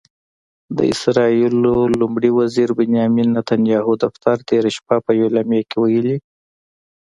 د اسرائیلي لومړي وزیر بنیامن نتنیاهو دفتر تېره شپه په یوه اعلامیه کې ویلي